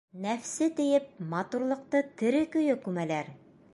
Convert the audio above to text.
Нәфсе тиеп, матурлыҡты тере көйө күмәләр!